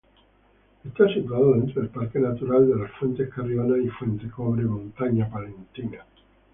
Está situada dentro del Parque Natural de las Fuentes Carrionas y Fuente Cobre-Montaña Palentina